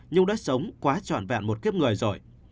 nhưng đã sống quá trọn vẹn một kiếp người rồi